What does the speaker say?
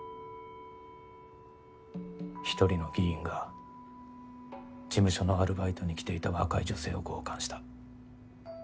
１人の議員が事務所のアルバイトに来ていた若い女性を強姦した。